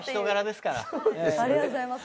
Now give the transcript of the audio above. ありがとうございます。